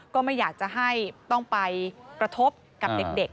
ก็ไม่อยากจะให้ต้องไปกระทบกับเด็ก